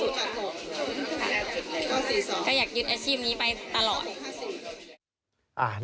ก็อยากยึดอาชีพนี้ไปตลอด